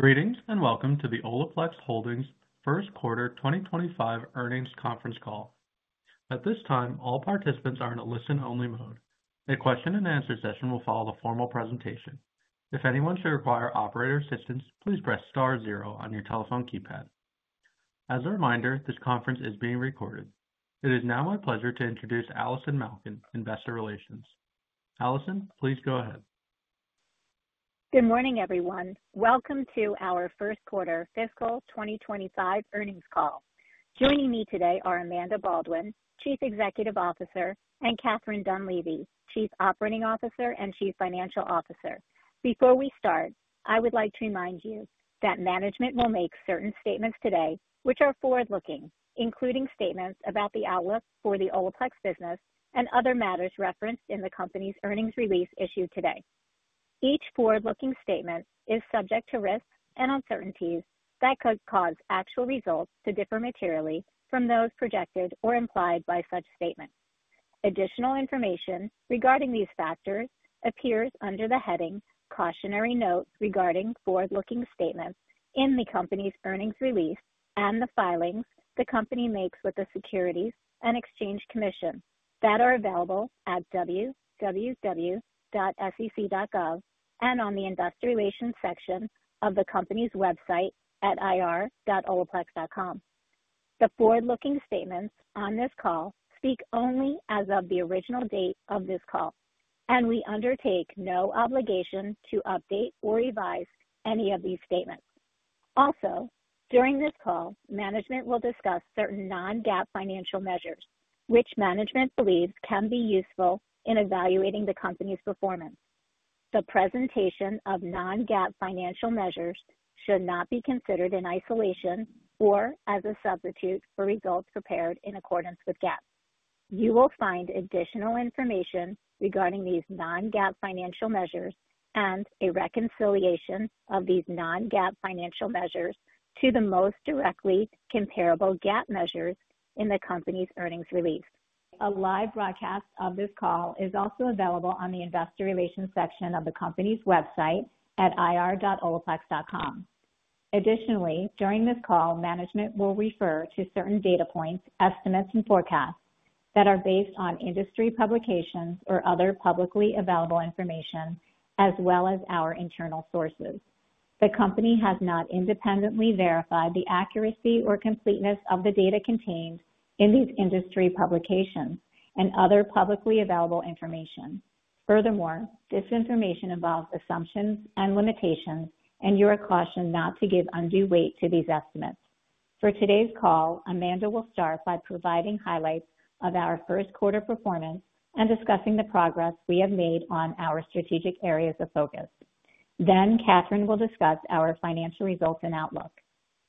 Greetings and welcome to the Olaplex Holdings First Quarter 2025 Earnings Conference Call. At this time, all participants are in a listen-only mode. A question-and-answer session will follow the formal presentation. If anyone should require operator assistance, please press star zero on your telephone keypad. As a reminder, this conference is being recorded. It is now my pleasure to introduce Allison Malkin, Investor Relations. Allison, please go ahead. Good morning, everyone. Welcome to our First Quarter Fiscal 2025 Earnings Call. Joining me today are Amanda Baldwin, Chief Executive Officer, and Catherine Dunleavy, Chief Operating Officer and Chief Financial Officer. Before we start, I would like to remind you that management will make certain statements today which are forward-looking, including statements about the outlook for the Olaplex business and other matters referenced in the company's earnings release issued today. Each forward-looking statement is subject to risks and uncertainties that could cause actual results to differ materially from those projected or implied by such statements. Additional information regarding these factors appears under the heading "Cautionary Notes Regarding Forward-Looking Statements" in the company's earnings release and the filings the company makes with the Securities and Exchange Commission that are available at www.sec.gov and on the Investor Relations section of the company's website at ir-olaplex.com. The forward-looking statements on this call speak only as of the original date of this call, and we undertake no obligation to update or revise any of these statements. Also, during this call, management will discuss certain non-GAAP financial measures which management believes can be useful in evaluating the company's performance. The presentation of non-GAAP financial measures should not be considered in isolation or as a substitute for results prepared in accordance with GAAP. You will find additional information regarding these non-GAAP financial measures and a reconciliation of these non-GAAP financial measures to the most directly comparable GAAP measures in the company's earnings release. A live broadcast of this call is also available on the Investor Relations section of the company's website at ir-olaplex.com. Additionally, during this call, management will refer to certain data points, estimates, and forecasts that are based on industry publications or other publicly available information, as well as our internal sources. The company has not independently verified the accuracy or completeness of the data contained in these industry publications and other publicly available information. Furthermore, this information involves assumptions and limitations, and you are cautioned not to give undue weight to these estimates. For today's call, Amanda will start by providing highlights of our first quarter performance and discussing the progress we have made on our strategic areas of focus. Then Catherine will discuss our financial results and outlook.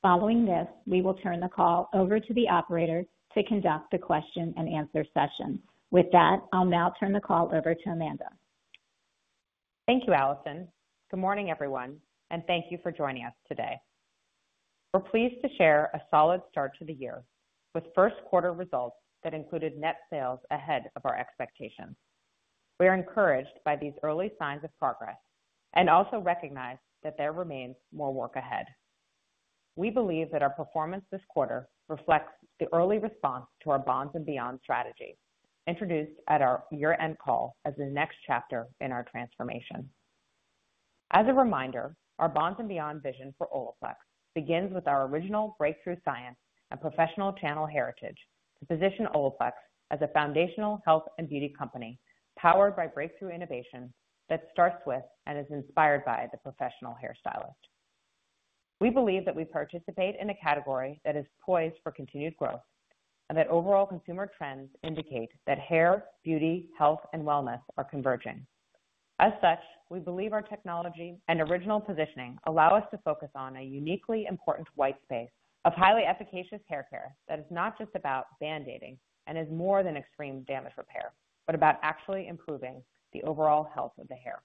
Following this, we will turn the call over to the operator to conduct the question-and-answer session. With that, I'll now turn the call over to Amanda. Thank you, Allison. Good morning, everyone, and thank you for joining us today. We're pleased to share a solid start to the year with first quarter results that included net sales ahead of our expectations. We are encouraged by these early signs of progress and also recognize that there remains more work ahead. We believe that our performance this quarter reflects the early response to our Bonds and Beyond strategy introduced at our year-end call as the next chapter in our transformation. As a reminder, our Bonds and Beyond vision for Olaplex begins with our original breakthrough science and professional channel heritage to position Olaplex as a foundational health and beauty company powered by breakthrough innovation that starts with and is inspired by the professional hairstylist. We believe that we participate in a category that is poised for continued growth and that overall consumer trends indicate that hair, beauty, health, and wellness are converging. As such, we believe our technology and original positioning allow us to focus on a uniquely important white space of highly efficacious hair care that is not just about band-aiding and is more than extreme damage repair, but about actually improving the overall health of the hair.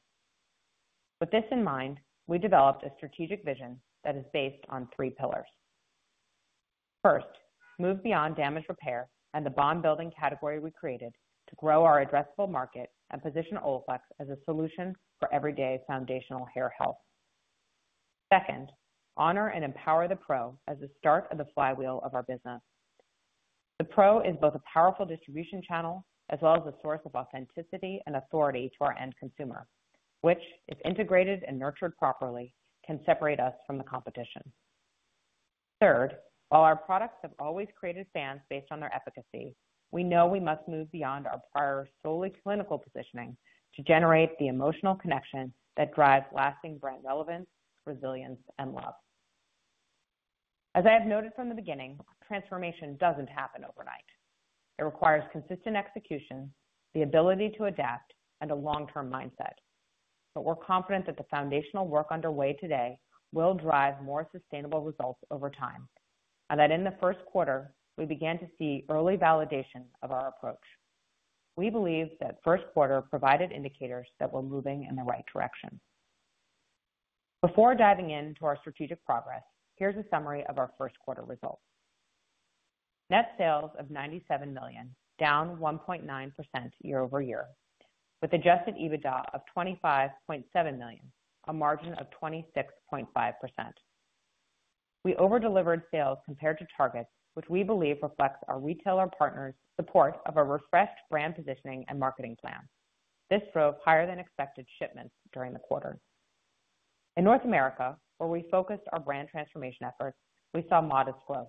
With this in mind, we developed a strategic vision that is based on three pillars. First, move beyond damage repair and the bond-building category we created to grow our addressable market and position Olaplex as a solution for everyday foundational hair health. Second, honor and empower the pro as the start of the flywheel of our business. The pro is both a powerful distribution channel as well as a source of authenticity and authority to our end consumer, which, if integrated and nurtured properly, can separate us from the competition. Third, while our products have always created fans based on their efficacy, we know we must move beyond our prior solely clinical positioning to generate the emotional connection that drives lasting brand relevance, resilience, and love. As I have noted from the beginning, transformation does not happen overnight. It requires consistent execution, the ability to adapt, and a long-term mindset. We are confident that the foundational work underway today will drive more sustainable results over time and that in the first quarter, we began to see early validation of our approach. We believe that first quarter provided indicators that we are moving in the right direction. Before diving into our strategic progress, here's a summary of our first quarter results. Net sales of $97 million, down 1.9% year over year, with adjusted EBITDA of $25.7 million, a margin of 26.5%. We overdelivered sales compared to targets, which we believe reflects our retailer partners' support of a refreshed brand positioning and marketing plan. This drove higher-than-expected shipments during the quarter. In North America, where we focused our brand transformation efforts, we saw modest growth.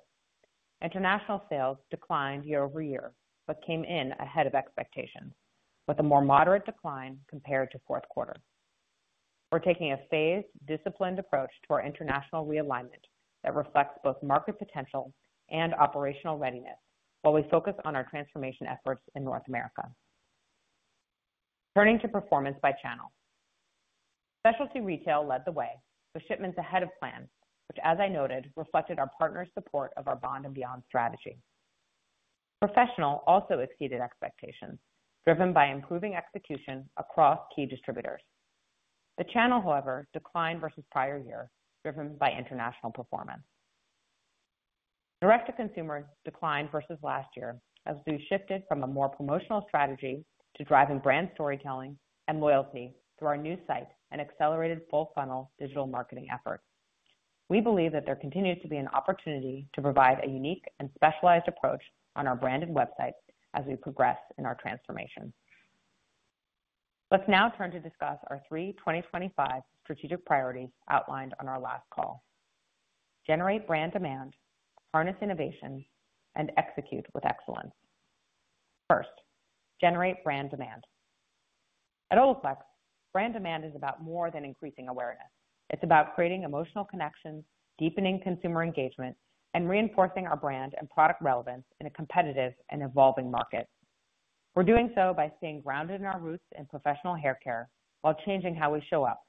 International sales declined year over year but came in ahead of expectations, with a more moderate decline compared to fourth quarter. We're taking a phased, disciplined approach to our international realignment that reflects both market potential and operational readiness while we focus on our transformation efforts in North America. Turning to performance by channel. Specialty retail led the way with shipments ahead of plan, which, as I noted, reflected our partners' support of our Bond and Beyond strategy. Professional also exceeded expectations, driven by improving execution across key distributors. The channel, however, declined versus prior year, driven by international performance. Direct-to-consumer declined versus last year as we shifted from a more promotional strategy to driving brand storytelling and loyalty through our new site and accelerated full-funnel digital marketing effort. We believe that there continues to be an opportunity to provide a unique and specialized approach on our branded website as we progress in our transformation. Let's now turn to discuss our three 2025 strategic priorities outlined on our last call: generate brand demand, harness innovation, and execute with excellence. First, generate brand demand. At Olaplex, brand demand is about more than increasing awareness. It's about creating emotional connections, deepening consumer engagement, and reinforcing our brand and product relevance in a competitive and evolving market. We're doing so by staying grounded in our roots in professional hair care while changing how we show up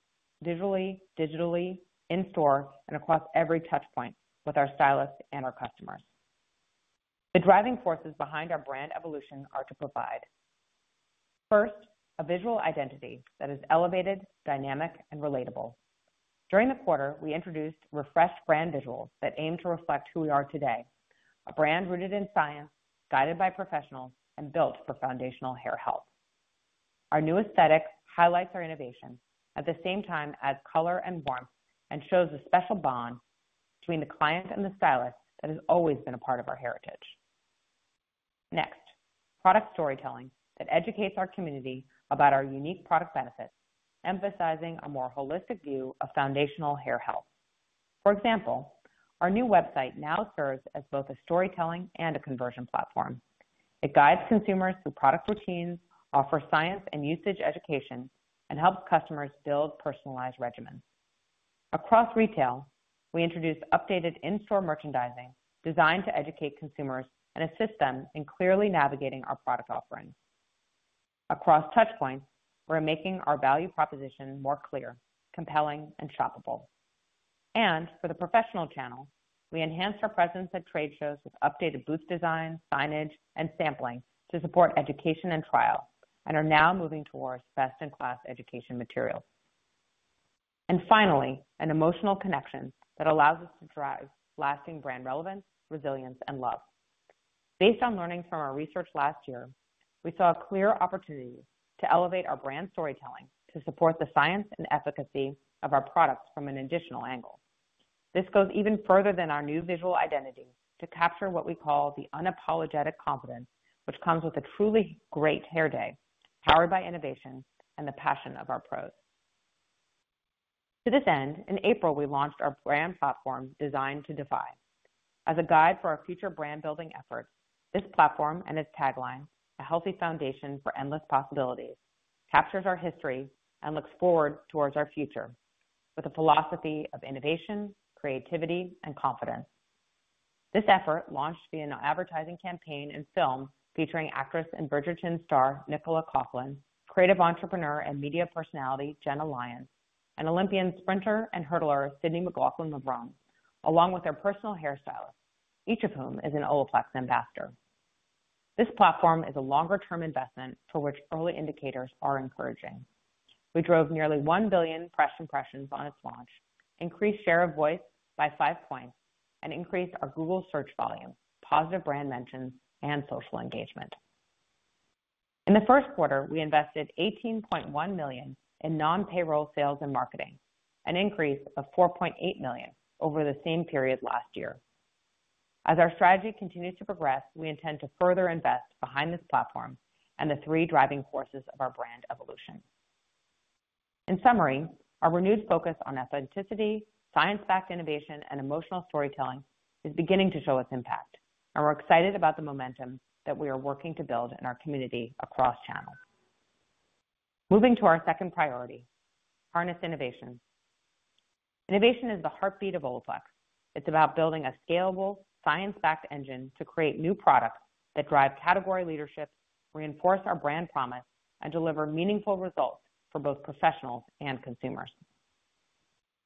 digitally, in-store, and across every touchpoint with our stylists and our customers. The driving forces behind our brand evolution are to provide, first, a visual identity that is elevated, dynamic, and relatable. During the quarter, we introduced refreshed brand visuals that aim to reflect who we are today, a brand rooted in science, guided by professionals, and built for foundational hair health. Our new aesthetic highlights our innovation at the same time as color and warmth and shows a special bond between the client and the stylist that has always been a part of our heritage. Next, product storytelling that educates our community about our unique product benefits, emphasizing a more holistic view of foundational hair health. For example, our new website now serves as both a storytelling and a conversion platform. It guides consumers through product routines, offers science and usage education, and helps customers build personalized regimens. Across retail, we introduced updated in-store merchandising designed to educate consumers and assist them in clearly navigating our product offerings. Across touchpoints, we're making our value proposition more clear, compelling, and shoppable. For the professional channel, we enhanced our presence at trade shows with updated booth design, signage, and sampling to support education and trial and are now moving towards best-in-class education materials. Finally, an emotional connection that allows us to drive lasting brand relevance, resilience, and love. Based on learnings from our research last year, we saw a clear opportunity to elevate our brand storytelling to support the science and efficacy of our products from an additional angle. This goes even further than our new visual identity to capture what we call the unapologetic confidence, which comes with a truly great hair day powered by innovation and the passion of our pros. To this end, in April, we launched our brand platform designed to defy. As a guide for our future brand-building efforts, this platform and its tagline, "A Healthy Foundation for Endless Possibilities," captures our history and looks forward towards our future with a philosophy of innovation, creativity, and confidence. This effort launched via an advertising campaign and film featuring actress and Bridgerton star Nicola Coughlan, creative entrepreneur and media personality Jenna Lyons, and Olympian sprinter and hurdler Sydney McLaughlin-Lebrun, along with their personal hair stylist, each of whom is an Olaplex ambassador. This platform is a longer-term investment for which early indicators are encouraging. We drove nearly $1 billion fresh impressions on its launch, increased share of voice by five percentage points, and increased our Google search volume, positive brand mentions, and social engagement. In the first quarter, we invested $18.1 million in non-payroll sales and marketing, an increase of $4.8 million over the same period last year. As our strategy continues to progress, we intend to further invest behind this platform and the three driving forces of our brand evolution. In summary, our renewed focus on authenticity, science-backed innovation, and emotional storytelling is beginning to show its impact, and we're excited about the momentum that we are working to build in our community across channels. Moving to our second priority, harness innovation. Innovation is the heartbeat of Olaplex. It's about building a scalable, science-backed engine to create new products that drive category leadership, reinforce our brand promise, and deliver meaningful results for both professionals and consumers.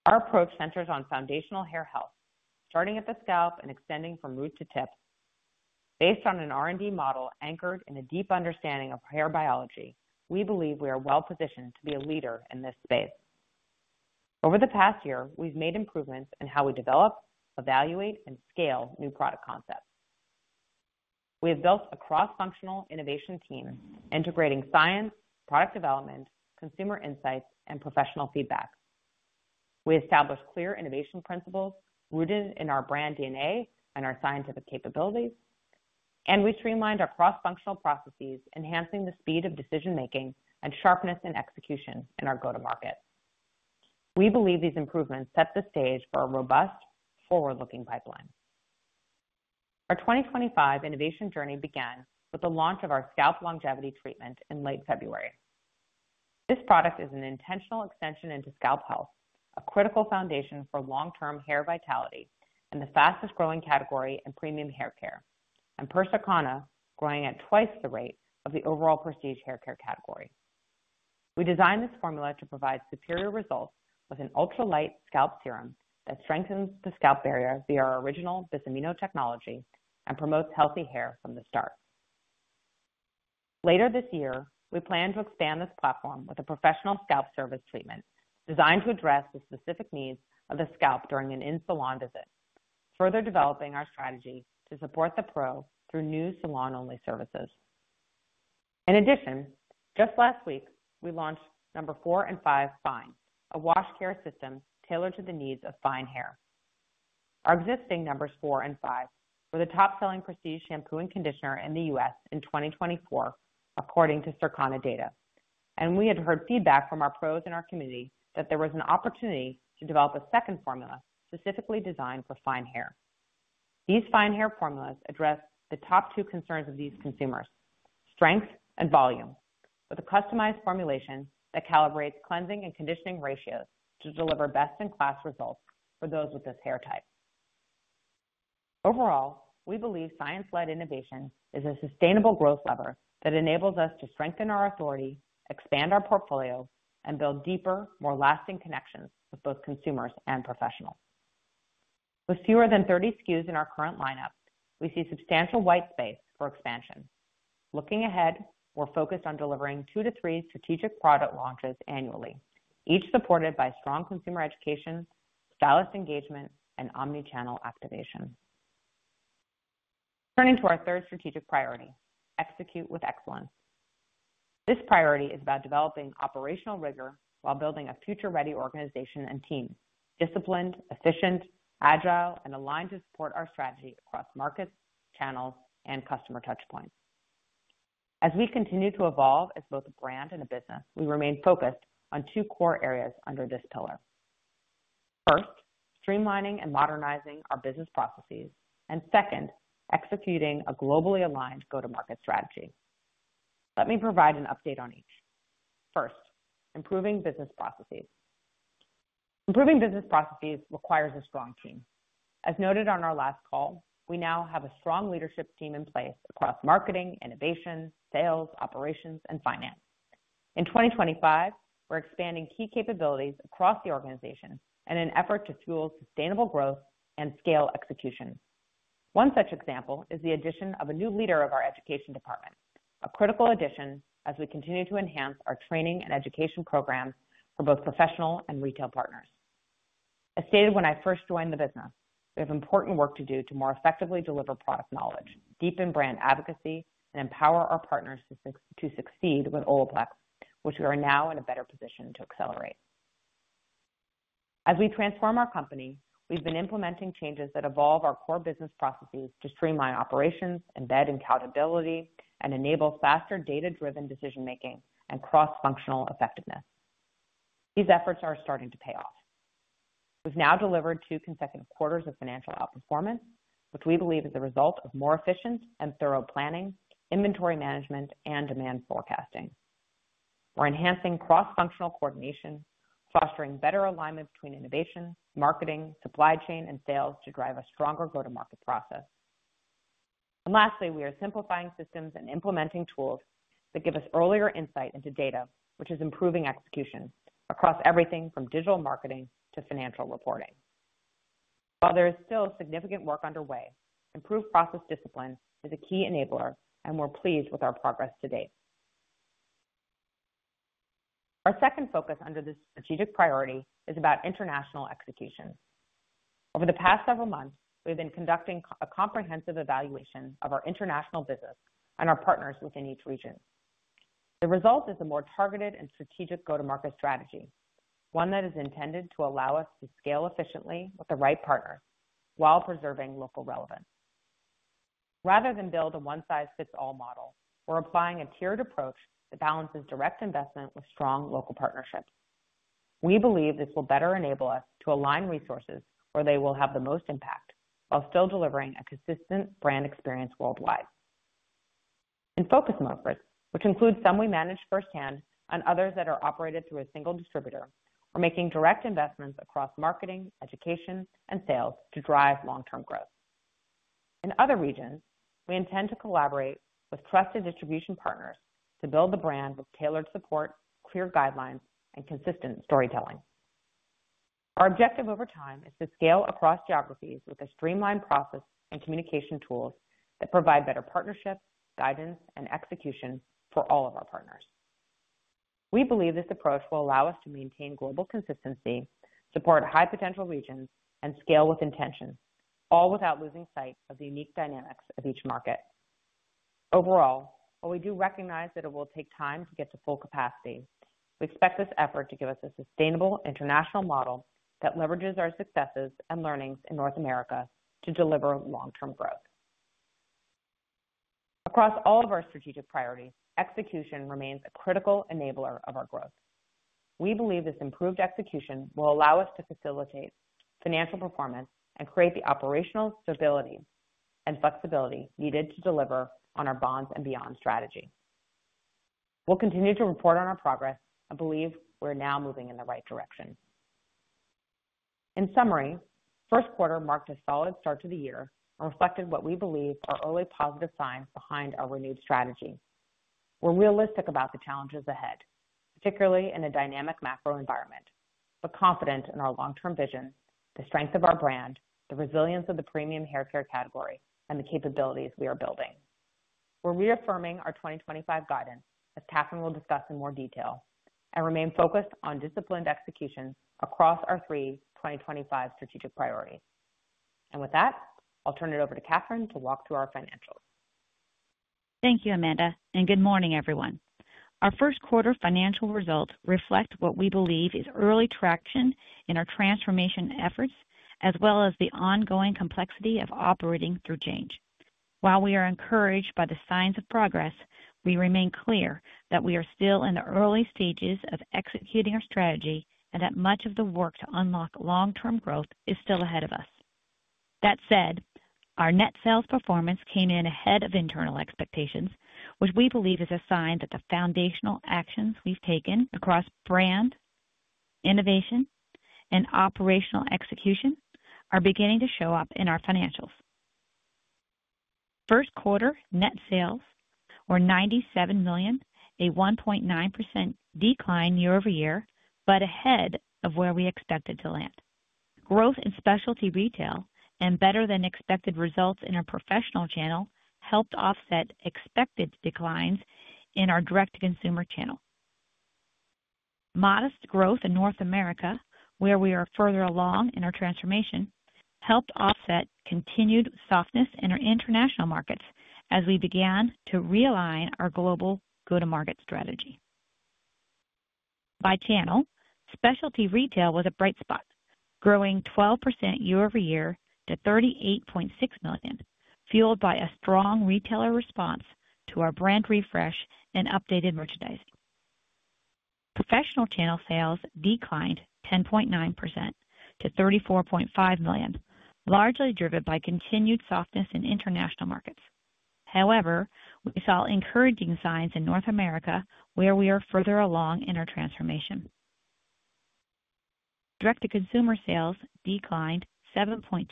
Our approach centers on foundational hair health, starting at the scalp and extending from root to tip. Based on an R&D model anchored in a deep understanding of hair biology, we believe we are well-positioned to be a leader in this space. Over the past year, we've made improvements in how we develop, evaluate, and scale new product concepts. We have built a cross-functional innovation team integrating science, product development, consumer insights, and professional feedback. We established clear innovation principles rooted in our brand DNA and our scientific capabilities, and we streamlined our cross-functional processes, enhancing the speed of decision-making and sharpness in execution in our go-to-market. We believe these improvements set the stage for a robust, forward-looking pipeline. Our 2025 innovation journey began with the launch of our Scalp Longevity Treatment in late February. This product is an intentional extension into scalp health, a critical foundation for long-term hair vitality in the fastest-growing category in premium hair care, and Circana, growing at twice the rate of the overall prestige hair care category. We designed this formula to provide superior results with an ultra-light scalp serum that strengthens the scalp barrier via our original Bis-Aminopropyl Diglycol Dimaleate technology and promotes healthy hair from the start. Later this year, we plan to expand this platform with a professional scalp service treatment designed to address the specific needs of the scalp during an in-salon visit, further developing our strategy to support the pro through new salon-only services. In addition, just last week, we launched No. 4 and No. 5 Fine, a wash care system tailored to the needs of fine hair. Our existing No .4 and No. 5 were the top-selling prestige shampoo and conditioner in the US in 2024, according to Circana data, and we had heard feedback from our pros in our community that there was an opportunity to develop a second formula specifically designed for fine hair. These fine hair formulas address the top two concerns of these consumers: strength and volume, with a customized formulation that calibrates cleansing and conditioning ratios to deliver best-in-class results for those with this hair type. Overall, we believe science-led innovation is a sustainable growth lever that enables us to strengthen our authority, expand our portfolio, and build deeper, more lasting connections with both consumers and professionals. With fewer than 30 SKUs in our current lineup, we see substantial white space for expansion. Looking ahead, we're focused on delivering two to three strategic product launches annually, each supported by strong consumer education, stylist engagement, and omnichannel activation. Turning to our third strategic priority, execute with excellence. This priority is about developing operational rigor while building a future-ready organization and team: disciplined, efficient, agile, and aligned to support our strategy across markets, channels, and customer touchpoints. As we continue to evolve as both a brand and a business, we remain focused on two core areas under this pillar. First, streamlining and modernizing our business processes, and second, executing a globally aligned go-to-market strategy. Let me provide an update on each. First, improving business processes. Improving business processes requires a strong team. As noted on our last call, we now have a strong leadership team in place across marketing, innovation, sales, operations, and finance. In 2025, we're expanding key capabilities across the organization in an effort to fuel sustainable growth and scale execution. One such example is the addition of a new leader of our education department, a critical addition as we continue to enhance our training and education programs for both professional and retail partners. As stated when I first joined the business, we have important work to do to more effectively deliver product knowledge, deepen brand advocacy, and empower our partners to succeed with Olaplex, which we are now in a better position to accelerate. As we transform our company, we've been implementing changes that evolve our core business processes to streamline operations, embed accountability, and enable faster data-driven decision-making and cross-functional effectiveness. These efforts are starting to pay off. We've now delivered two consecutive quarters of financial outperformance, which we believe is the result of more efficient and thorough planning, inventory management, and demand forecasting. We're enhancing cross-functional coordination, fostering better alignment between innovation, marketing, supply chain, and sales to drive a stronger go-to-market process. Lastly, we are simplifying systems and implementing tools that give us earlier insight into data, which is improving execution across everything from digital marketing to financial reporting. While there is still significant work underway, improved process discipline is a key enabler, and we're pleased with our progress to date. Our second focus under this strategic priority is about international execution. Over the past several months, we've been conducting a comprehensive evaluation of our international business and our partners within each region. The result is a more targeted and strategic go-to-market strategy, one that is intended to allow us to scale efficiently with the right partners while preserving local relevance. Rather than build a one-size-fits-all model, we're applying a tiered approach that balances direct investment with strong local partnerships. We believe this will better enable us to align resources where they will have the most impact while still delivering a consistent brand experience worldwide. In focus mode, which includes some we manage firsthand and others that are operated through a single distributor, we're making direct investments across marketing, education, and sales to drive long-term growth. In other regions, we intend to collaborate with trusted distribution partners to build the brand with tailored support, clear guidelines, and consistent storytelling. Our objective over time is to scale across geographies with a streamlined process and communication tools that provide better partnership, guidance, and execution for all of our partners. We believe this approach will allow us to maintain global consistency, support high-potential regions, and scale with intention, all without losing sight of the unique dynamics of each market. Overall, while we do recognize that it will take time to get to full capacity, we expect this effort to give us a sustainable international model that leverages our successes and learnings in North America to deliver long-term growth. Across all of our strategic priorities, execution remains a critical enabler of our growth. We believe this improved execution will allow us to facilitate financial performance and create the operational stability and flexibility needed to deliver on our bonds and beyond strategy. We'll continue to report on our progress and believe we're now moving in the right direction. In summary, first quarter marked a solid start to the year and reflected what we believe are early positive signs behind our renewed strategy. We're realistic about the challenges ahead, particularly in a dynamic macro environment, but confident in our long-term vision, the strength of our brand, the resilience of the premium hair care category, and the capabilities we are building. We're reaffirming our 2025 guidance, as Catherine will discuss in more detail, and remain focused on disciplined execution across our three 2025 strategic priorities. With that, I'll turn it over to Catherine to walk through our financials. Thank you, Amanda, and good morning, everyone. Our first quarter financial results reflect what we believe is early traction in our transformation efforts, as well as the ongoing complexity of operating through change. While we are encouraged by the signs of progress, we remain clear that we are still in the early stages of executing our strategy and that much of the work to unlock long-term growth is still ahead of us. That said, our net sales performance came in ahead of internal expectations, which we believe is a sign that the foundational actions we've taken across brand, innovation, and operational execution are beginning to show up in our financials. First quarter net sales were $97 million, a 1.9% decline year over year, but ahead of where we expected to land. Growth in specialty retail and better-than-expected results in our professional channel helped offset expected declines in our direct-to-consumer channel. Modest growth in North America, where we are further along in our transformation, helped offset continued softness in our international markets as we began to realign our global go-to-market strategy. By channel, specialty retail was a bright spot, growing 12% year over year to $38.6 million, fueled by a strong retailer response to our brand refresh and updated merchandise. Professional channel sales declined 10.9% to $34.5 million, largely driven by continued softness in international markets. However, we saw encouraging signs in North America, where we are further along in our transformation. Direct-to-consumer sales declined 7.2%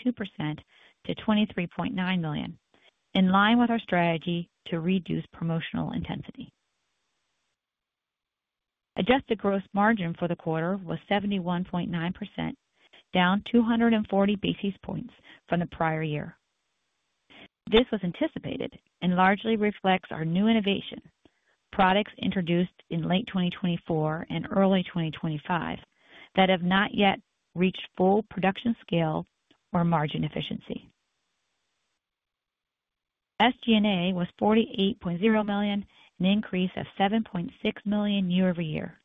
to $23.9 million, in line with our strategy to reduce promotional intensity. Adjusted gross margin for the quarter was 71.9%, down 240 basis points from the prior year. This was anticipated and largely reflects our new innovation, products introduced in late 2024 and early 2025 that have not yet reached full production scale or margin efficiency. SG&A was $48.0 million, an increase of $7.6 million year over year.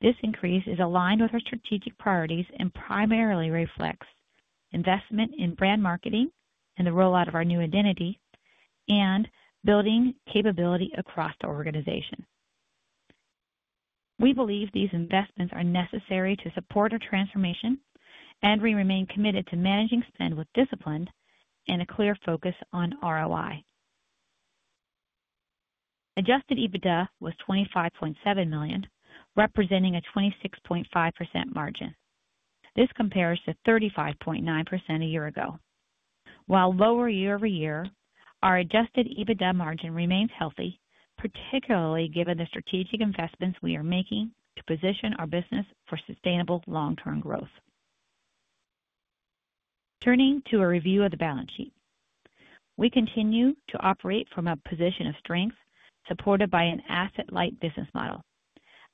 This increase is aligned with our strategic priorities and primarily reflects investment in brand marketing and the rollout of our new identity and building capability across the organization. We believe these investments are necessary to support our transformation, and we remain committed to managing spend with discipline and a clear focus on ROI. Adjusted EBITDA was $25.7 million, representing a 26.5% margin. This compares to 35.9% a year ago. While lower year over year, our adjusted EBITDA margin remains healthy, particularly given the strategic investments we are making to position our business for sustainable long-term growth. Turning to a review of the balance sheet, we continue to operate from a position of strength supported by an asset-light business model.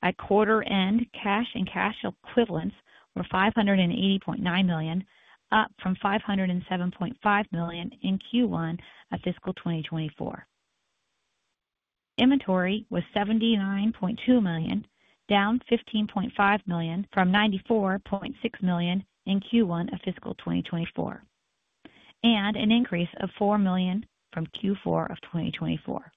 At quarter-end, cash and cash equivalents were $580.9 million, up from $507.5 million in Q1 of fiscal 2024. Inventory was $79.2 million, down $15.5 million from $94.6 million in Q1 of fiscal 2024, and an increase of $4 million from Q4 of 2024.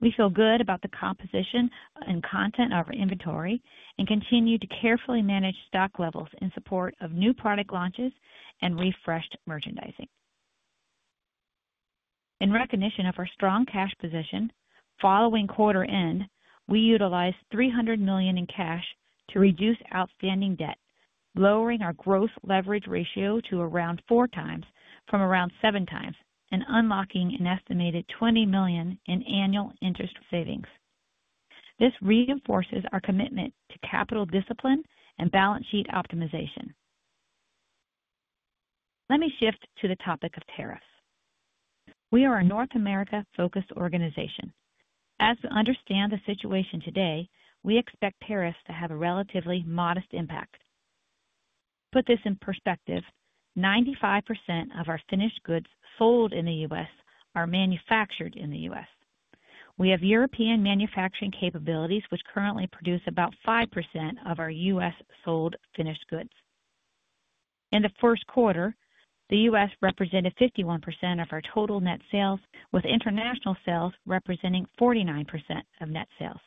We feel good about the composition and content of our inventory and continue to carefully manage stock levels in support of new product launches and refreshed merchandising. In recognition of our strong cash position, following quarter-end, we utilized $300 million in cash to reduce outstanding debt, lowering our gross leverage ratio to around four times from around seven times and unlocking an estimated $20 million in annual interest savings. This reinforces our commitment to capital discipline and balance sheet optimization. Let me shift to the topic of tariffs. We are a North America-focused organization. As we understand the situation today, we expect tariffs to have a relatively modest impact. To put this in perspective, 95% of our finished goods sold in the US are manufactured in the US. We have European manufacturing capabilities, which currently produce about 5% of our US sold finished goods. In the first quarter, the US represented 51% of our total net sales, with international sales representing 49% of net sales.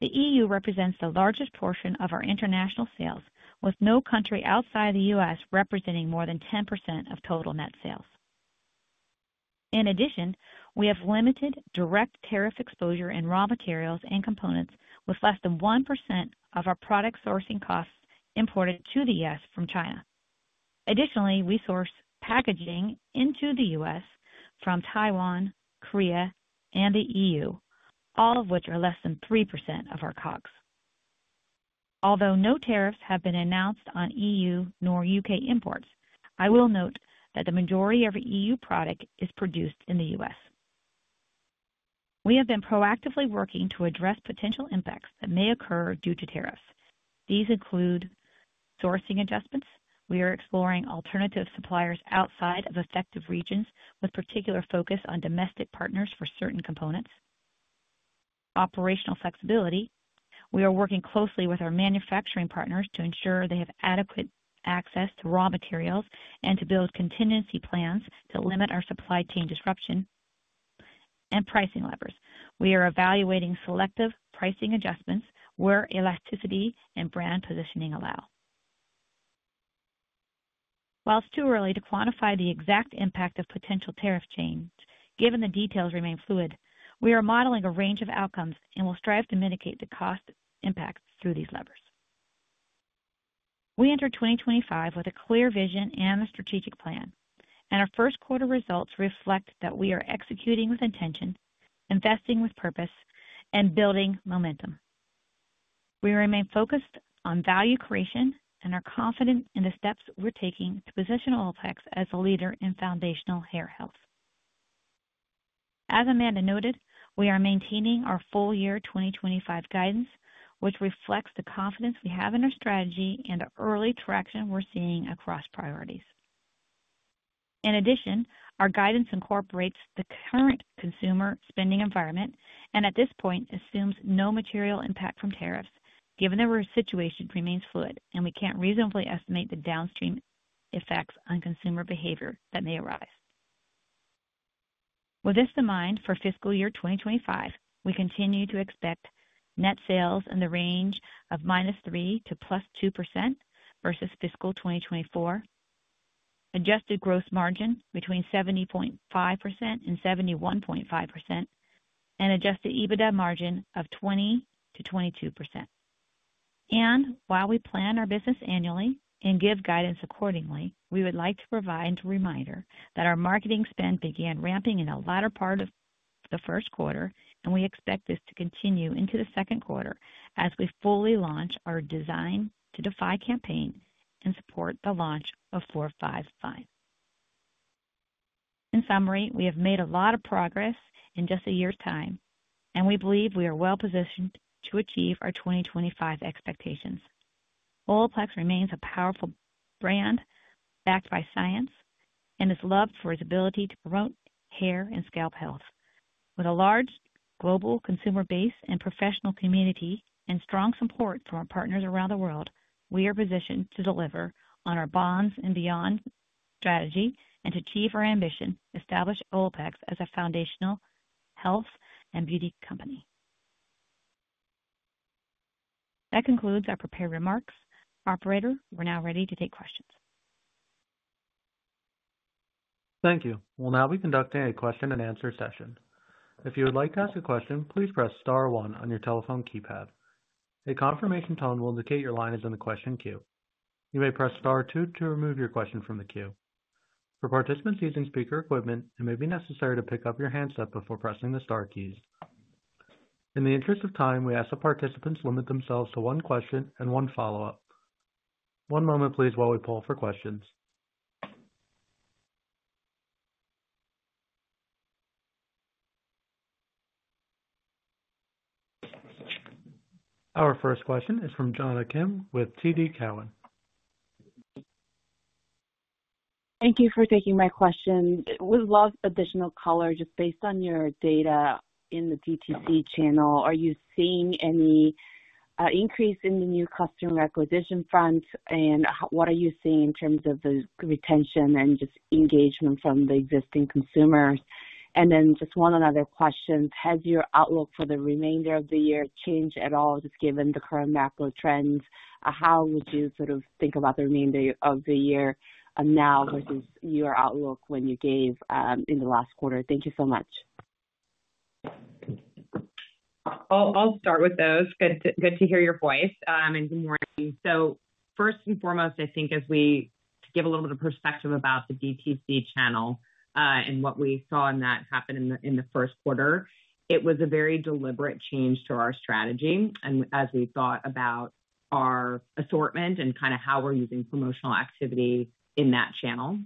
The EU represents the largest portion of our international sales, with no country outside the US representing more than 10% of total net sales. In addition, we have limited direct tariff exposure in raw materials and components, with less than 1% of our product sourcing costs imported to the US from China. Additionally, we source packaging into the US from Taiwan, Korea, and the EU, all of which are less than 3% of our COGS. Although no tariffs have been announced on EU nor U.K. imports, I will note that the majority of our EU product is produced in the US. We have been proactively working to address potential impacts that may occur due to tariffs. These include sourcing adjustments. We are exploring alternative suppliers outside of affected regions, with particular focus on domestic partners for certain components. Operational flexibility. We are working closely with our manufacturing partners to ensure they have adequate access to raw materials and to build contingency plans to limit our supply chain disruption. And pricing levers. We are evaluating selective pricing adjustments where elasticity and brand positioning allow. While it's too early to quantify the exact impact of potential tariff change, given the details remain fluid, we are modeling a range of outcomes and will strive to mitigate the cost impacts through these levers. We enter 2025 with a clear vision and a strategic plan, and our first quarter results reflect that we are executing with intention, investing with purpose, and building momentum. We remain focused on value creation and are confident in the steps we're taking to position Olaplex as a leader in foundational hair health. As Amanda noted, we are maintaining our full year 2025 guidance, which reflects the confidence we have in our strategy and the early traction we're seeing across priorities. In addition, our guidance incorporates the current consumer spending environment and at this point assumes no material impact from tariffs, given that our situation remains fluid and we can't reasonably estimate the downstream effects on consumer behavior that may arise. With this in mind for fiscal year 2025, we continue to expect net sales in the range of -3% to +2% versus fiscal 2024, adjusted gross margin between 70.5%-71.5%, and adjusted EBITDA margin of 20%-22%. While we plan our business annually and give guidance accordingly, we would like to provide a reminder that our marketing spend began ramping in the latter part of the first quarter, and we expect this to continue into the second quarter as we fully launch our Design to Defy campaign and support the launch of No. 4 and No. 5 Fine. In summary, we have made a lot of progress in just a year's time, and we believe we are well positioned to achieve our 2025 expectations. Olaplex remains a powerful brand backed by science and is loved for its ability to promote hair and scalp health. With a large global consumer base and professional community and strong support from our partners around the world, we are positioned to deliver on our bonds and beyond strategy and to achieve our ambition, establish Olaplex as a foundational health and beauty company. That concludes our prepared remarks. Operator, we're now ready to take questions. Thank you. We'll now be conducting a question-and-answer session. If you would like to ask a question, please press Star one on your telephone keypad. A confirmation tone will indicate your line is in the question queue. You may press Star two to remove your question from the queue. For participants using speaker equipment, it may be necessary to pick up your handset before pressing the Star keys. In the interest of time, we ask that participants limit themselves to one question and one follow-up. One moment, please, while we pull for questions. Our first question is from Jonathan with TD Cowen. Thank you for taking my question. With lots of additional color, just based on your data in the DTC channel, are you seeing any increase in the new customer acquisition front, and what are you seeing in terms of the retention and just engagement from the existing consumers? And then just one other question. Has your outlook for the remainder of the year changed at all, just given the current macro trends? How would you sort of think about the remainder of the year now versus your outlook when you gave in the last quarter? Thank you so much. I'll start with those. Good to hear your voice. And good morning. First and foremost, I think as we give a little bit of perspective about the DTC channel and what we saw happen in the first quarter, it was a very deliberate change to our strategy as we thought about our assortment and kind of how we're using promotional activity in that channel.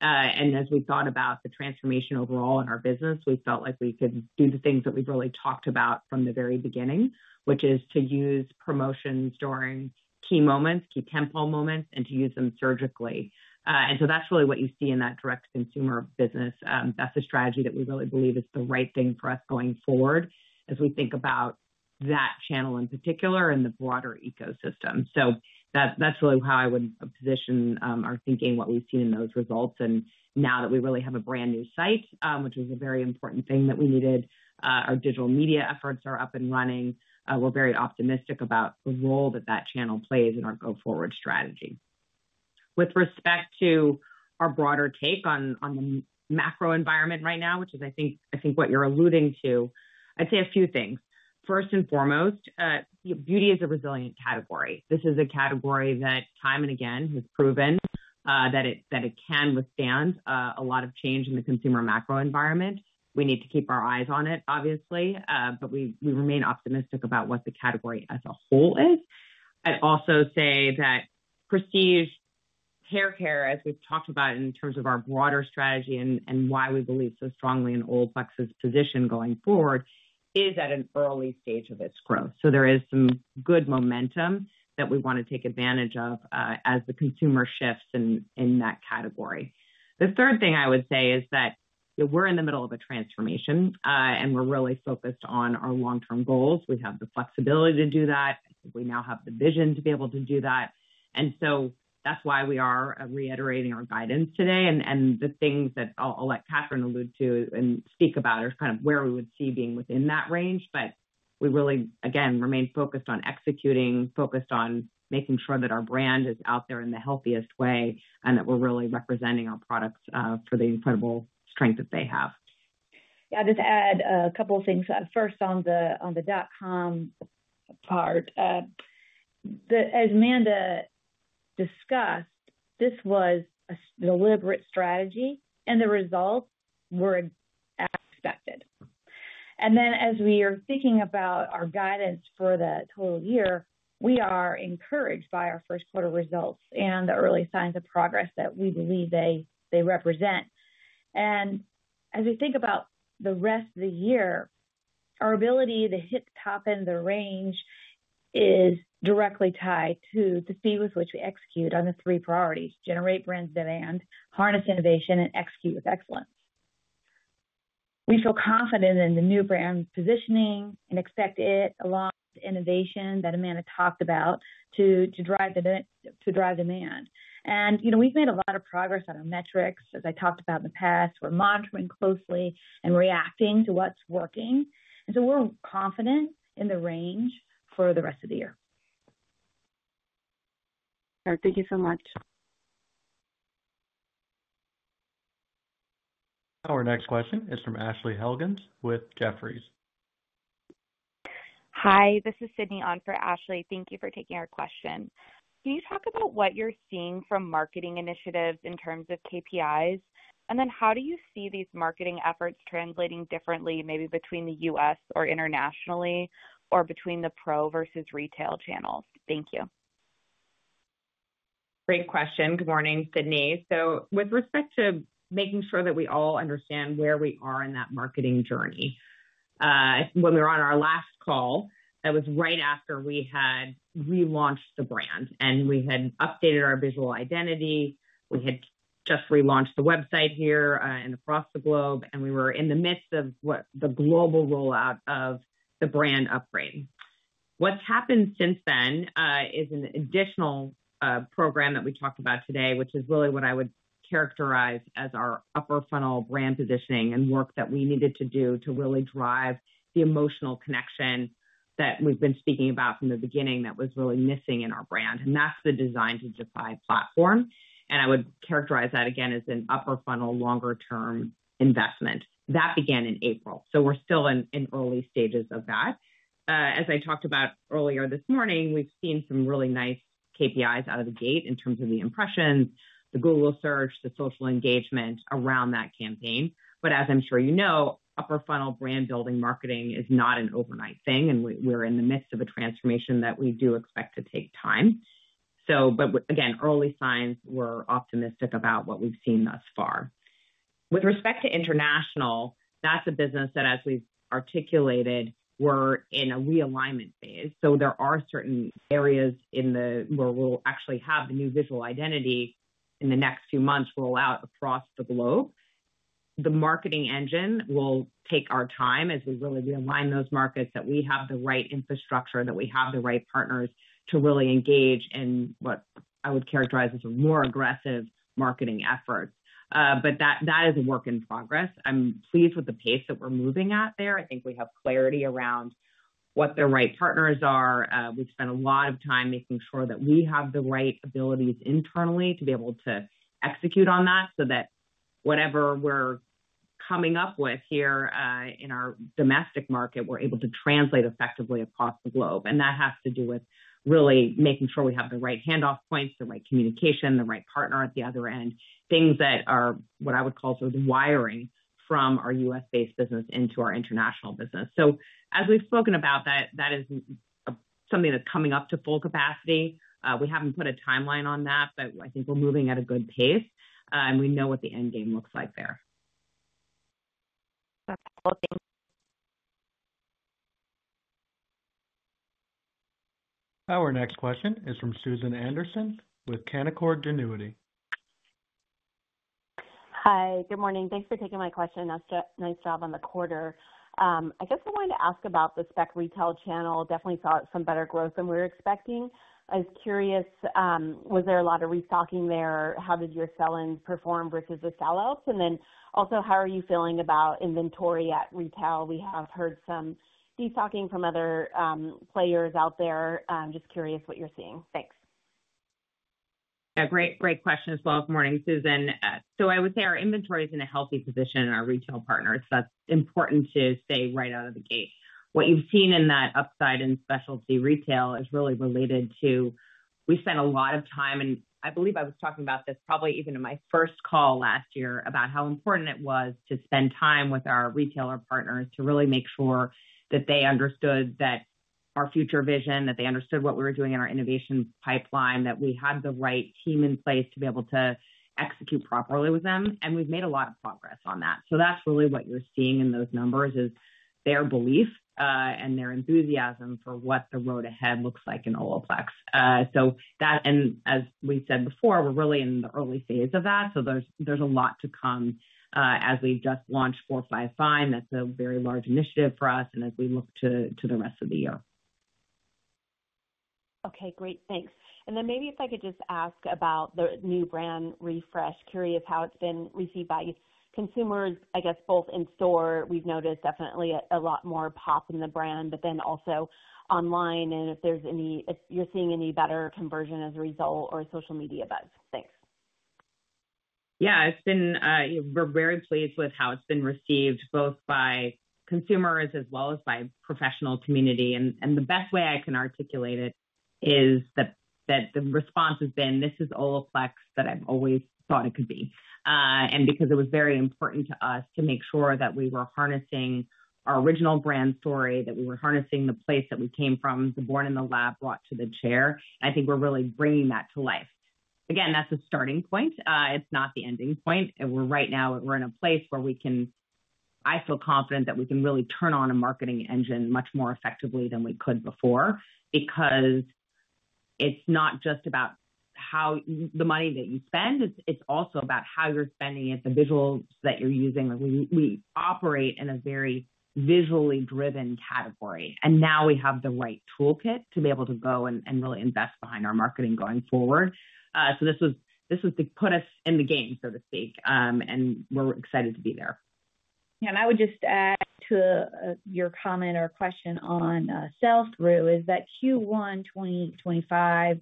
As we thought about the transformation overall in our business, we felt like we could do the things that we've really talked about from the very beginning, which is to use promotions during key moments, key tempo moments, and to use them surgically. That's really what you see in that direct-to-consumer business. That's the strategy that we really believe is the right thing for us going forward as we think about that channel in particular and the broader ecosystem. That is really how I would position our thinking, what we have seen in those results. Now that we really have a brand new site, which was a very important thing that we needed, our digital media efforts are up and running. We are very optimistic about the role that that channel plays in our go-forward strategy. With respect to our broader take on the macro environment right now, which is, I think, what you are alluding to, I would say a few things. First and foremost, beauty is a resilient category. This is a category that time and again has proven that it can withstand a lot of change in the consumer macro environment. We need to keep our eyes on it, obviously, but we remain optimistic about what the category as a whole is. I'd also say that prestige hair care, as we've talked about in terms of our broader strategy and why we believe so strongly in Olaplex's position going forward, is at an early stage of its growth. There is some good momentum that we want to take advantage of as the consumer shifts in that category. The third thing I would say is that we're in the middle of a transformation, and we're really focused on our long-term goals. We have the flexibility to do that. We now have the vision to be able to do that. That is why we are reiterating our guidance today. The things that I'll let Catherine allude to and speak about are kind of where we would see being within that range, but we really, again, remain focused on executing, focused on making sure that our brand is out there in the healthiest way and that we're really representing our products for the incredible strength that they have. Yeah, I'll just add a couple of things. First, on the dot-com part, as Amanda discussed, this was a deliberate strategy, and the results were as expected. As we are thinking about our guidance for the total year, we are encouraged by our first quarter results and the early signs of progress that we believe they represent. As we think about the rest of the year, our ability to hit the top end of the range is directly tied to the speed with which we execute on the three priorities: generate brand demand, harness innovation, and execute with excellence. We feel confident in the new brand positioning and expect it, along with innovation that Amanda talked about, to drive demand. We have made a lot of progress on our metrics, as I talked about in the past. We are monitoring closely and reacting to what is working. We are confident in the range for the rest of the year. Thank you so much. Our next question is from Ashley Helgins with Jefferies. Hi, this is Sydney on for Ashley. Thank you for taking our question. Can you talk about what you're seeing from marketing initiatives in terms of KPIs, and then how do you see these marketing efforts translating differently, maybe between the U.S. or internationally or between the pro versus retail channels? Thank you. Great question. Good morning, Sydney. With respect to making sure that we all understand where we are in that marketing journey, when we were on our last call, that was right after we had relaunched the brand and we had updated our visual identity. We had just relaunched the website here and across the globe, and we were in the midst of the global rollout of the brand upgrade. What's happened since then is an additional program that we talked about today, which is really what I would characterize as our upper funnel brand positioning and work that we needed to do to really drive the emotional connection that we've been speaking about from the beginning that was really missing in our brand. That is the Design to Defy platform. I would characterize that again as an upper funnel longer-term investment. That began in April. We are still in early stages of that. As I talked about earlier this morning, we've seen some really nice KPIs out of the gate in terms of the impressions, the Google search, the social engagement around that campaign. As I am sure you know, upper funnel brand building marketing is not an overnight thing, and we are in the midst of a transformation that we do expect to take time. Again, early signs, we're optimistic about what we've seen thus far. With respect to international, that's a business that, as we've articulated, we're in a realignment phase. There are certain areas where we'll actually have the new visual identity in the next few months roll out across the globe. The marketing engine will take our time as we really realign those markets, that we have the right infrastructure, that we have the right partners to really engage in what I would characterize as a more aggressive marketing effort. That is a work in progress. I'm pleased with the pace that we're moving at there. I think we have clarity around what the right partners are. We spent a lot of time making sure that we have the right abilities internally to be able to execute on that so that whatever we're coming up with here in our domestic market, we're able to translate effectively across the globe. That has to do with really making sure we have the right handoff points, the right communication, the right partner at the other end, things that are what I would call sort of wiring from our US-based business into our international business. As we've spoken about, that is something that's coming up to full capacity. We haven't put a timeline on that, but I think we're moving at a good pace, and we know what the end game looks like there. Thank you. Our next question is from Susan Anderson with Canaccord Genuity. Hi, good morning. Thanks for taking my question. Nice job on the quarter. I guess I wanted to ask about the spec retail channel. Definitely saw some better growth than we were expecting. I was curious, was there a lot of restocking there? How did your sell-in perform versus the sellouts? Also, how are you feeling about inventory at retail? We have heard some destocking from other players out there. Just curious what you're seeing. Thanks. Yeah, great question as well. Good morning, Susan. I would say our inventory is in a healthy position in our retail partners. That's important to say right out of the gate. What you've seen in that upside in specialty retail is really related to we spent a lot of time, and I believe I was talking about this probably even in my first call last year about how important it was to spend time with our retailer partners to really make sure that they understood our future vision, that they understood what we were doing in our innovation pipeline, that we had the right team in place to be able to execute properly with them. We've made a lot of progress on that. That's really what you're seeing in those numbers is their belief and their enthusiasm for what the road ahead looks like in Olaplex. As we said before, we're really in the early phase of that. There's a lot to come as we just launched four five fine. That's a very large initiative for us and as we look to the rest of the year. Okay, great. Thanks. And then maybe if I could just ask about the new brand refresh, curious how it's been received by consumers, I guess, both in store. We've noticed definitely a lot more pop in the brand, but then also online. And if you're seeing any better conversion as a result or social media buzz? Thanks. Yeah, we're very pleased with how it's been received both by consumers as well as by the professional community. The best way I can articulate it is that the response has been, "This is Olaplex that I've always thought it could be." It was very important to us to make sure that we were harnessing our original brand story, that we were harnessing the place that we came from, the born in the lab, brought to the chair. I think we're really bringing that to life. Again, that's a starting point. It's not the ending point. Right now, we're in a place where I feel confident that we can really turn on a marketing engine much more effectively than we could before because it's not just about the money that you spend. It's also about how you're spending it, the visuals that you're using. We operate in a very visually driven category. We have the right toolkit to be able to go and really invest behind our marketing going forward. This was to put us in the game, so to speak. We are excited to be there. I would just add to your comment or question on sell-through that Q1 2025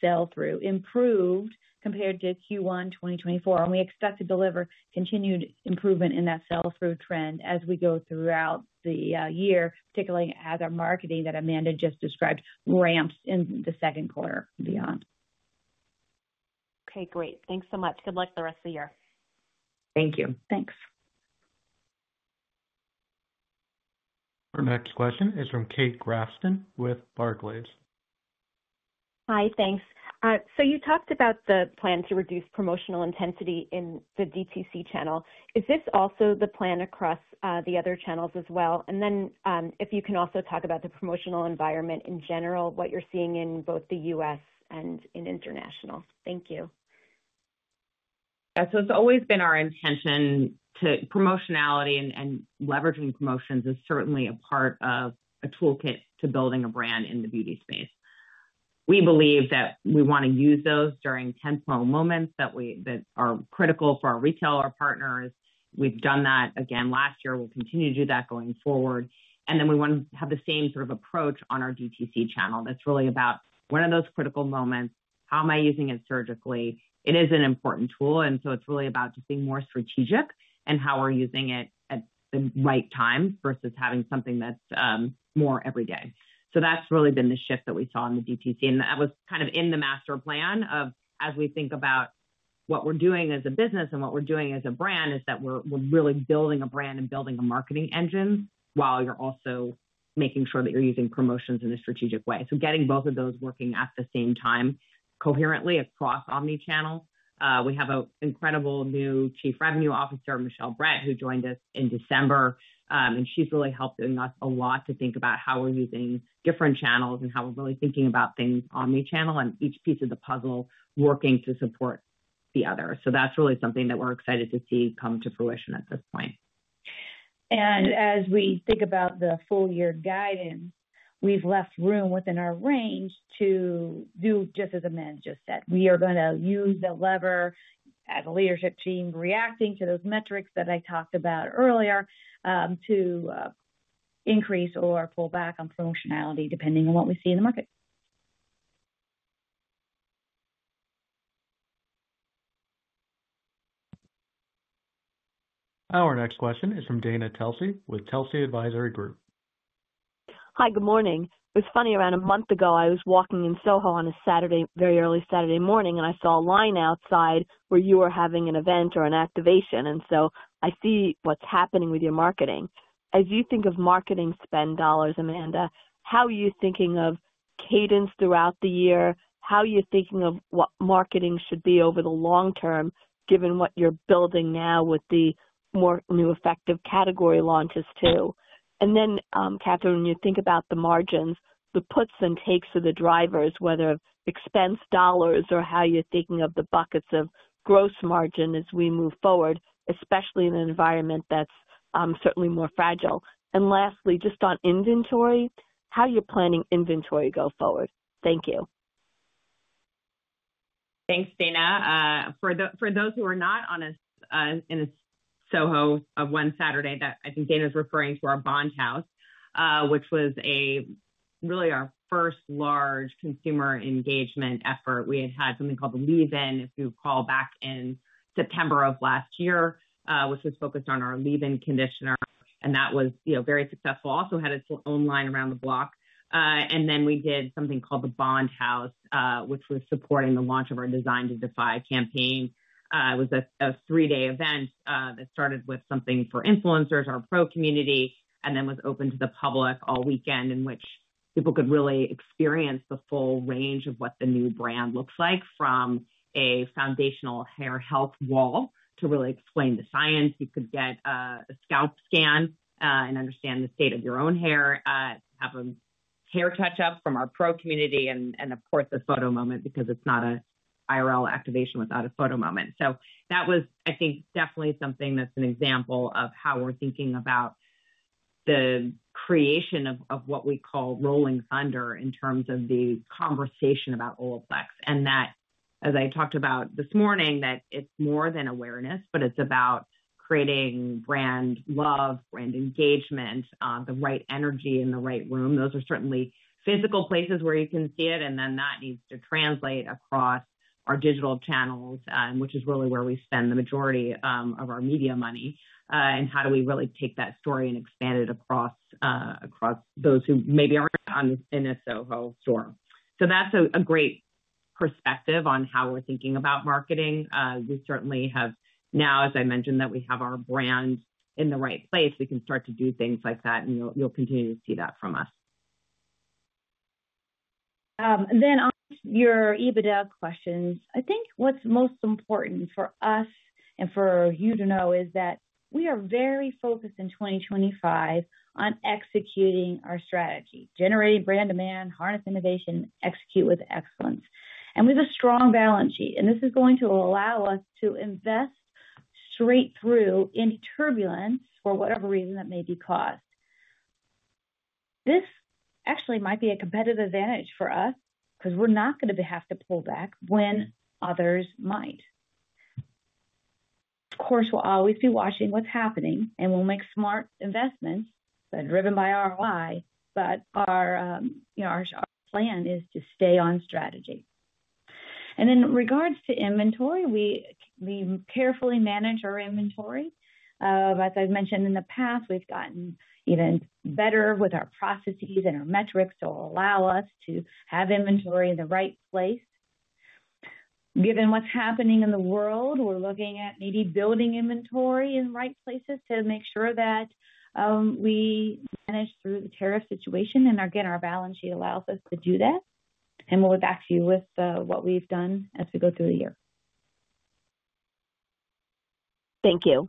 sell-through improved compared to Q1 2024. We expect to deliver continued improvement in that sell-through trend as we go throughout the year, particularly as our marketing that Amanda just described ramps in the second quarter and beyond. Okay, great. Thanks so much. Good luck the rest of the year. Thank you. Thanks. Our next question is from Kate Grafton with Barclays. Hi, thanks. You talked about the plan to reduce promotional intensity in the DTC channel. Is this also the plan across the other channels as well? If you can also talk about the promotional environment in general, what you're seeing in both the U.S. and in international. Thank you. Yeah, it has always been our intention to use promotionality and leveraging promotions is certainly a part of a toolkit to building a brand in the beauty space. We believe that we want to use those during tensile moments that are critical for our retailer partners. We have done that again last year. We will continue to do that going forward. We want to have the same sort of approach on our DTC channel. That is really about when are those critical moments, how am I using it surgically? It is an important tool. It is really about just being more strategic in how we are using it at the right time versus having something that is more everyday. That's really been the shift that we saw in the DTC. That was kind of in the master plan of as we think about what we're doing as a business and what we're doing as a brand is that we're really building a brand and building a marketing engine while you're also making sure that you're using promotions in a strategic way. Getting both of those working at the same time coherently across omnichannel. We have an incredible new Chief Revenue Officer, Michelle Bret, who joined us in December. She's really helping us a lot to think about how we're using different channels and how we're really thinking about things omnichannel and each piece of the puzzle working to support the other. That's really something that we're excited to see come to fruition at this point. As we think about the full-year guidance, we've left room within our range to do just as Amanda just said. We are going to use the lever as a leadership team reacting to those metrics that I talked about earlier to increase or pull back on promotionality depending on what we see in the market. Our next question is from Dana Telsey with Telsey Advisory Group. Hi, good morning. It was funny, around a month ago, I was walking in Soho on a very early Saturday morning, and I saw a line outside where you were having an event or an activation. I see what's happening with your marketing. As you think of marketing spend dollars, Amanda, how are you thinking of cadence throughout the year? How are you thinking of what marketing should be over the long term given what you're building now with the more new effective category launches too? Catherine, when you think about the margins, the puts and takes of the drivers, whether expense dollars or how you're thinking of the buckets of gross margin as we move forward, especially in an environment that's certainly more fragile. Lastly, just on inventory, how are you planning inventory to go forward? Thank you. Thanks, Dana. For those who are not in Soho of one Saturday, I think Dana's referring to our Bond House, which was really our first large consumer engagement effort. We had had something called the Leave-In if you recall back in September of last year, which was focused on our Leave-In conditioner. That was very successful. Also had its own line around the block. Then we did something called the Bond House, which was supporting the launch of our Design to Defy campaign. It was a three-day event that started with something for influencers, our pro community, and then was open to the public all weekend, in which people could really experience the full range of what the new brand looks like, from a foundational hair health wall to really explain the science. You could get a scalp scan and understand the state of your own hair, have a hair touch-up from our pro community, and of course, a photo moment because it is not an IRL activation without a photo moment. That was, I think, definitely something that is an example of how we are thinking about the creation of what we call rolling thunder in terms of the conversation about Olaplex. As I talked about this morning, it's more than awareness, but it's about creating brand love, brand engagement, the right energy in the right room. Those are certainly physical places where you can see it. That needs to translate across our digital channels, which is really where we spend the majority of our media money. How do we really take that story and expand it across those who maybe aren't in a Soho store? That's a great perspective on how we're thinking about marketing. We certainly have now, as I mentioned, our brand in the right place. We can start to do things like that, and you'll continue to see that from us. On your EBITDA questions, I think what's most important for us and for you to know is that we are very focused in 2025 on executing our strategy, generating brand demand, harnessing innovation, executing with excellence. We have a strong balance sheet. This is going to allow us to invest straight through in turbulence for whatever reason that may be caused. This actually might be a competitive advantage for us because we're not going to have to pull back when others might. Of course, we'll always be watching what's happening, and we'll make smart investments that are driven by ROI, but our plan is to stay on strategy. In regards to inventory, we carefully manage our inventory. As I've mentioned in the past, we've gotten even better with our processes and our metrics to allow us to have inventory in the right place. Given what's happening in the world, we're looking at maybe building inventory in the right places to make sure that we manage through the tariff situation. Our balance sheet allows us to do that. We'll be back to you with what we've done as we go through the year. Thank you.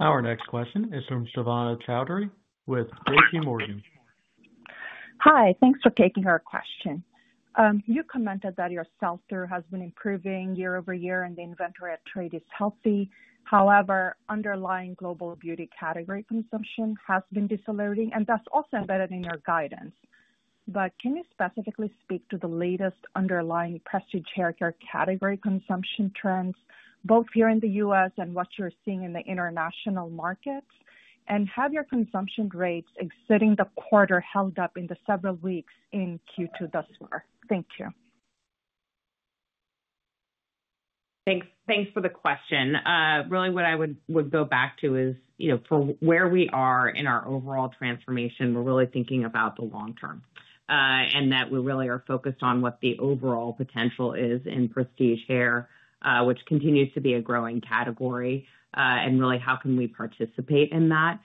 Our next question is from Sivana Chowdhury with JP Morgan. Hi, thanks for taking our question. You commented that your sell-through has been improving year over year, and the inventory at trade is healthy. However, underlying global beauty category consumption has been decelerating, and that's also embedded in your guidance. Can you specifically speak to the latest underlying prestige hair care category consumption trends, both here in the U.S. and what you're seeing in the international markets? Have your consumption rates exceeding the quarter held up in the several weeks in Q2 thus far? Thank you. Thanks for the question. Really, what I would go back to is for where we are in our overall transformation, we're really thinking about the long term and that we really are focused on what the overall potential is in prestige hair, which continues to be a growing category. Really, how can we participate in that?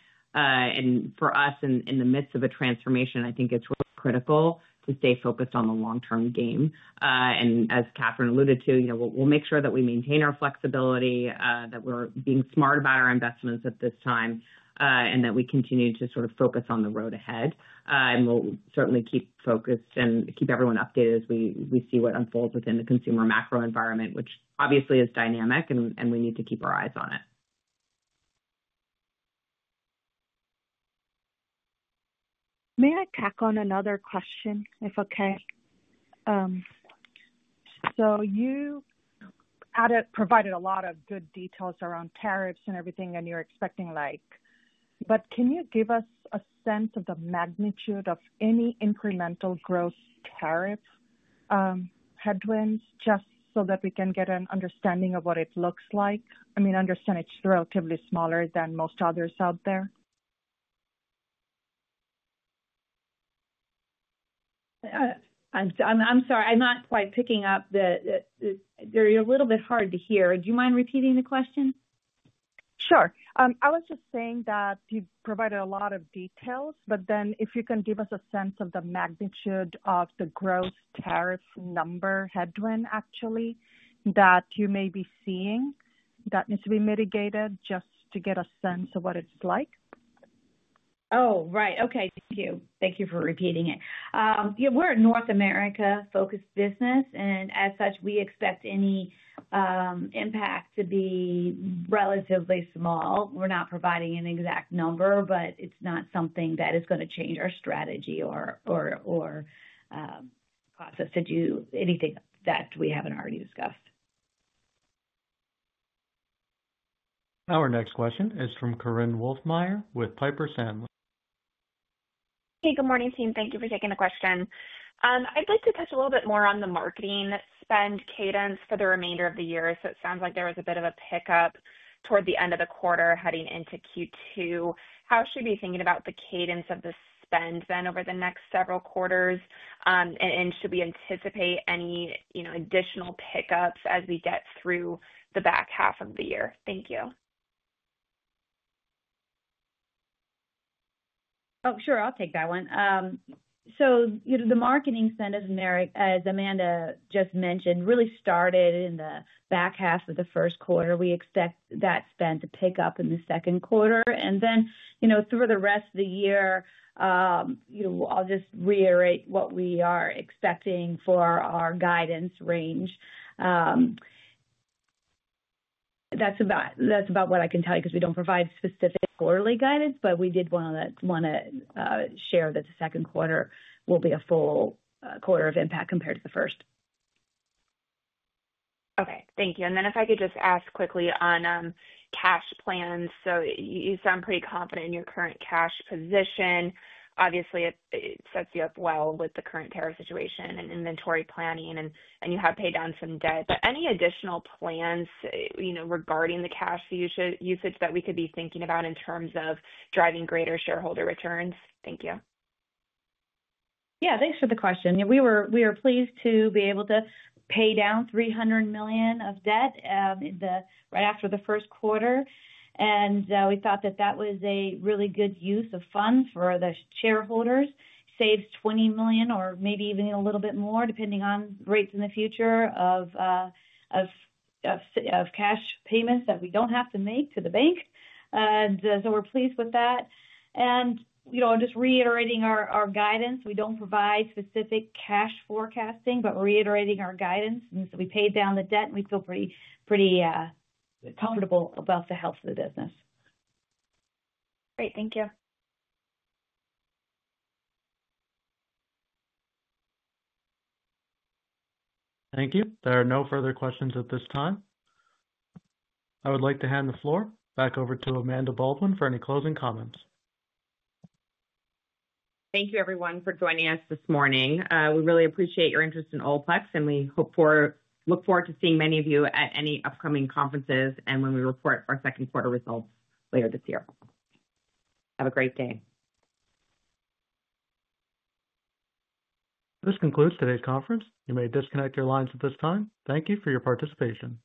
For us in the midst of a transformation, I think it's really critical to stay focused on the long-term game. As Catherine alluded to, we'll make sure that we maintain our flexibility, that we're being smart about our investments at this time, and that we continue to sort of focus on the road ahead. We'll certainly keep focused and keep everyone updated as we see what unfolds within the consumer macro environment, which obviously is dynamic, and we need to keep our eyes on it. May I tack on another question, if okay? You provided a lot of good details around tariffs and everything, and you're expecting like. Can you give us a sense of the magnitude of any incremental growth tariff headwinds just so that we can get an understanding of what it looks like? I mean, I understand it's relatively smaller than most others out there. I'm sorry, I'm not quite picking up. They're a little bit hard to hear. Do you mind repeating the question? Sure. I was just saying that you provided a lot of details, but then if you can give us a sense of the magnitude of the gross tariff number headwind, actually, that you may be seeing that needs to be mitigated just to get a sense of what it's like. Oh, right. Okay. Thank you. Thank you for repeating it. We're a North America-focused business, and as such, we expect any impact to be relatively small. We're not providing an exact number, but it's not something that is going to change our strategy or process to do anything that we haven't already discussed. Our next question is from Corinne Wolfmeyer with Piper Sandler. Hey, good morning, team. Thank you for taking the question. I'd like to touch a little bit more on the marketing spend cadence for the remainder of the year. It sounds like there was a bit of a pickup toward the end of the quarter heading into Q2. How should we be thinking about the cadence of the spend then over the next several quarters? Should we anticipate any additional pickups as we get through the back half of the year? Thank you. Oh, sure. I'll take that one. The marketing spend, as Amanda just mentioned, really started in the back half of the first quarter. We expect that spend to pick up in the second quarter. Through the rest of the year, I'll just reiterate what we are expecting for our guidance range. That's about what I can tell you because we do not provide specific quarterly guidance, but we did want to share that the second quarter will be a full quarter of impact compared to the first. Okay. Thank you. If I could just ask quickly on cash plans. You sound pretty confident in your current cash position. Obviously, it sets you up well with the current tariff situation and inventory planning, and you have paid down some debt. Any additional plans regarding the cash usage that we could be thinking about in terms of driving greater shareholder returns? Thank you. Yeah. Thanks for the question. We were pleased to be able to pay down $300 million of debt right after the first quarter. We thought that that was a really good use of funds for the shareholders. Saves $20 million or maybe even a little bit more, depending on rates in the future of cash payments that we do not have to make to the bank. We are pleased with that. Just reiterating our guidance, we do not provide specific cash forecasting, but reiterating our guidance. We paid down the debt, and we feel pretty comfortable about the health of the business. Great. Thank you. Thank you. There are no further questions at this time. I would like to hand the floor back over to Amanda Baldwin for any closing comments. Thank you, everyone, for joining us this morning. We really appreciate your interest in Olaplex, and we look forward to seeing many of you at any upcoming conferences and when we report our second quarter results later this year. Have a great day. This concludes today's conference. You may disconnect your lines at this time. Thank you for your participation.